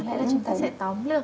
có lẽ là chúng ta sẽ tóm lượt